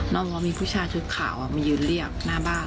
บอกว่ามีผู้ชายชุดขาวมายืนเรียกหน้าบ้าน